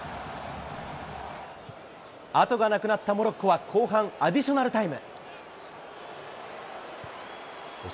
後がなくなったモロッコは後半、アディショナルタイム。